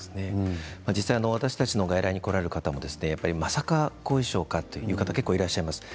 実際、私たちの外来に来られる方も、まさか後遺症かという方が結構いらっしゃいます。